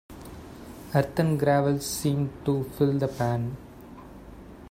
Earth and gravel seemed to fill the pan.